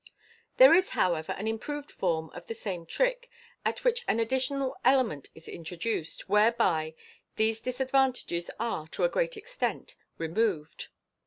There is, however, an improved form of the same trick, ir. which an additional element is introduced, whereby these dis advantages are, to a great extent, removed.